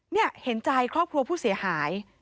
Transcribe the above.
นี่เห็นใจครอบครัวผู้เสียหาย